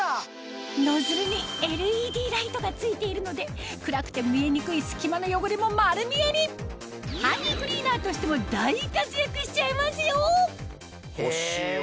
ノズルにＬＥＤライトが付いているので暗くて見えにくい隙間の汚れも丸見えにとしても大活躍しちゃいますよ欲しいわ。